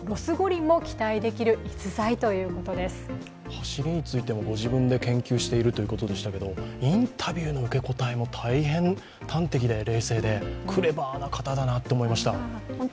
走りについてもご自分で研究しているということでしたけどインタビューの受け答えは大変端的で冷静でクレバーな方だなと思いました。